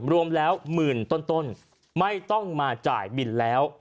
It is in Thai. รวมแล้วหมื่นต้นไม่ต้องมาจ่ายบินแล้ว